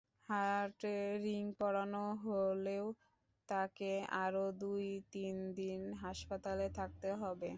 হার্টে রিং পরানো হলেও তাঁকে আরও দুই-তিন দিন হাসপাতালে থাকতে হবে।